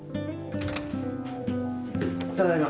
ただいま。